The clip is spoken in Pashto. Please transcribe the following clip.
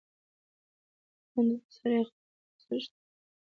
منډه د سړي خپله خوځښت ده